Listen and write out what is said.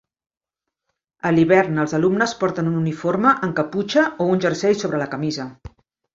A l'hivern, els alumnes porten un uniforme amb caputxa o un jersei sobre la camisa.